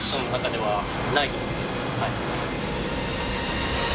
はい。